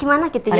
gimana gitu ya